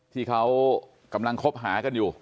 ที่เขากำลังคบหากันอยู่